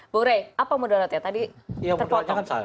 bu rey apa mudorotnya tadi terpotong